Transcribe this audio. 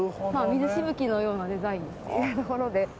水しぶきのようなデザインっていうところで。